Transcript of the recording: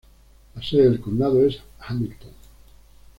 La sede del condado es Hamilton.